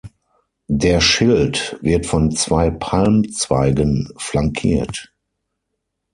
Der Schild wird von zwei Palmzweigen flankiert.